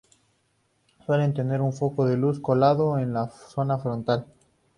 Suelen tener un foco de luz colocado en la zona frontal.